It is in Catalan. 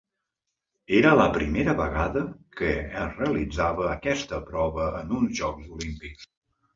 Era la primera vegada que es realitzava aquesta prova en uns Jocs Olímpics.